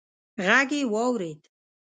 غږ يې واورېد: